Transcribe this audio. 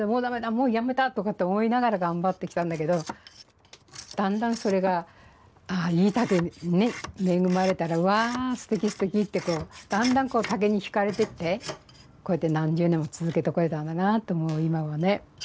もうやめた！」とかって思いながら頑張ってきたんだけどだんだんそれがいい竹に恵まれたら「うわすてきすてき」ってこうだんだん竹に引かれていってこうやって何十年も続けてこれたんだなって思う今はね。